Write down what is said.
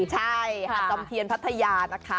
ใช่หาดจอมเทียนพัทยานะคะ